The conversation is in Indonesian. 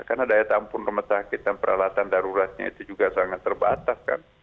karena daya tampun remetakit dan peralatan daruratnya itu juga sangat terbatas kan